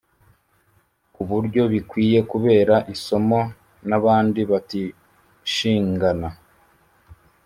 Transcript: ku buryo bikwiye kubera isomo n’abandi batishingana